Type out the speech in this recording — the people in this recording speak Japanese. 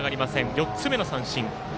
４つ目の三振。